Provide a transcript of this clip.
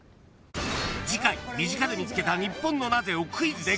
［次回身近で見つけた日本のナゼ？をクイズで解明］